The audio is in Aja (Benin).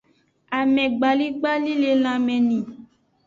Amegbaligbali le lanme ni.